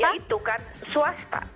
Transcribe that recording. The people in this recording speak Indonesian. ya itu kan swasta